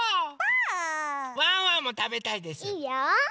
ワンワンもたべたいです。